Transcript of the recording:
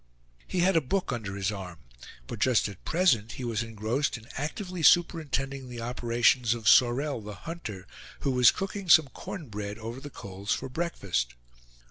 He had a book under his arm, but just at present he was engrossed in actively superintending the operations of Sorel, the hunter, who was cooking some corn bread over the coals for breakfast.